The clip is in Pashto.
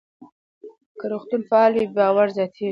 که روغتونونه فعال وي، باور زیاتېږي.